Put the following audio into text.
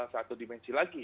satu dimensi lagi